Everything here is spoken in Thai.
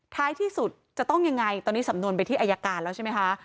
ท้ายที่สุดจะต้องยังไงตอนนี้สำนวนไปที่อายการแล้วใช่ไหมคะ